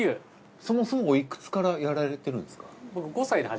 そもそもおいくつからやられてるんですか？